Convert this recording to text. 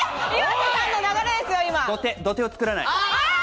土手をつくらない。